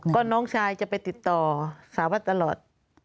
ก็น้องชายจะไปติดต่อสาววัดตลอด